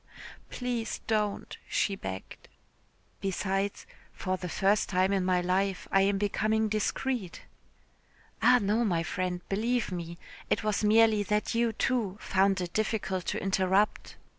"Please don't," she begged. "Besides, for the first time in my life I am becoming discreet." "Ah, no, my friend, believe me. It was merely that you, too, found it difficult to interrupt."